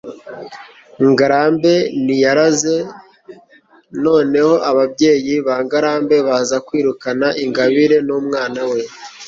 ngarambe ntiyaraze. noneho ababyeyi ba ngarambe baza kwirukana ingabire n'umwana we